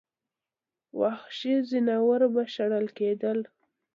وحشي ځناور به شړل کېدل.